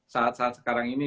saat saat sekarang ini